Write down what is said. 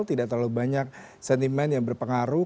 tidak terlalu banyak sentimen yang berpengaruh